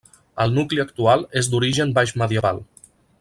El nucli actual és d'origen baixmedieval.